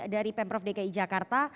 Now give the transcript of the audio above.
dari pemprov dki jakarta